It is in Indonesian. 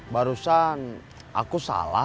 barusan aku salah